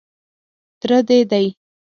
_تره دې دی.